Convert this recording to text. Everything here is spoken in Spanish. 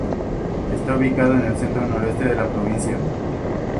Está ubicado en el centro noroeste de la provincia.